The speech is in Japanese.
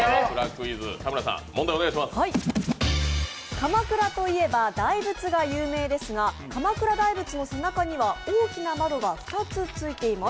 鎌倉といえば大仏が有名ですが鎌倉大仏の背中には大きな窓が２つついています。